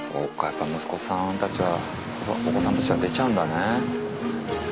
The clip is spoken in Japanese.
息子さんたちはお子さんたちは出ちゃうんだね。